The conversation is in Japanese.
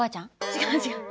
違う違う。